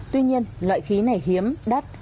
tuy nhiên loại khí này hiếm đắt